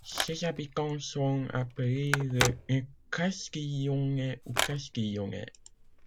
Ses habitants sont appelés les Castillonnais ou Castillonais.